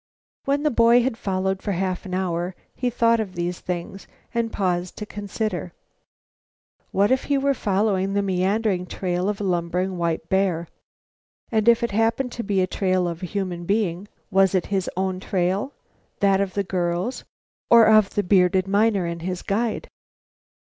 When the boy had followed for a half hour, he thought of these things, and paused to consider. What if he were following the meandering trail of a lumbering white bear? And if it happened to be a trail of a human being, was it his own trail, that of the girls, or of the bearded miner and his guide?